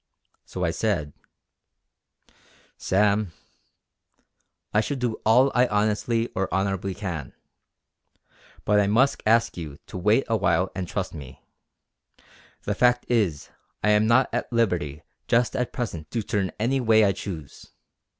So I said: "Sam, I shall do all I honestly or honourably can. But I must ask you to wait a while and trust me. The fact is I am not at liberty just at present to turn any way I choose.